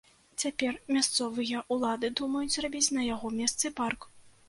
Цяпер мясцовыя ўлады думаюць зрабіць на яго месцы парк.